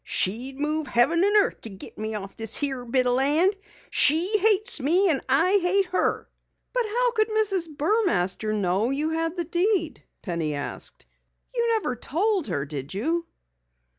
"She'd move Heaven and Earth to git me off this here bit o' land. She hates me, and I hate her." "But how could Mrs. Burmaster know you had the deed?" Penny asked. "You never told her, did you?"